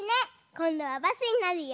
こんどはバスになるよ。